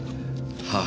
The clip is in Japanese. はあ。